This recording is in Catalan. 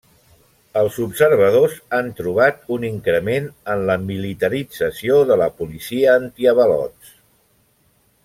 Els observadors han trobat un increment en la militarització de la policia antiavalots.